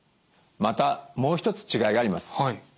またもう一つ違いがあります。